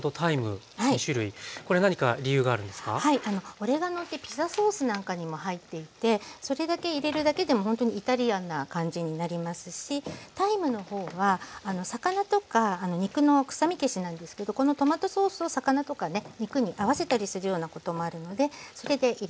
オレガノってピザソースなんかにも入っていてそれだけ入れるだけでもほんとにイタリアンな感じになりますしタイムの方は魚とか肉の臭み消しなんですけどこのトマトソースを魚とかね肉に合わせたりするようなこともあるのでそれで入れてます。